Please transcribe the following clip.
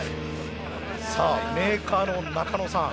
さあメーカーの中野さん。